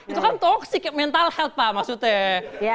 itu kan toxic mental health pak maksudnya